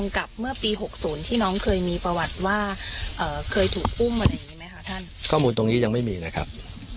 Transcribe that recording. ข้อมูลตรงนี้ยังไม่มีนะครับ